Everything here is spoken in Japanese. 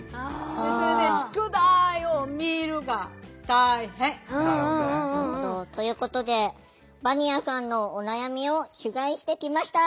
それで宿題を見るのが大変。ということでヴァニアさんのお悩みを取材してきました。